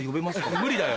無理だよ